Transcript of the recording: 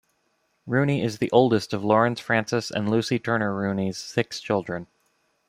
Rooney is the oldest of Laurence Francis and Lucy Turner Rooney's six children.